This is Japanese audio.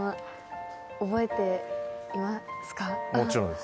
覚えていますか。